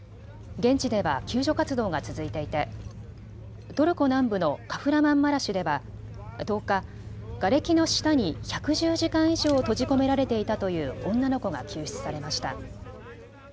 現地では救助活動が続いていてトルコ南部のカフラマンマラシュでは１０日、がれきの下に１１０時間以上閉じ込められていたという女の子が救出されました。